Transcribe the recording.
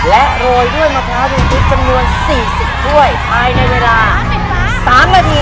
และโรยด้วยมะพร้าวิวพริกจำนวน๔๐ถ้วย